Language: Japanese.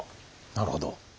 なるほど。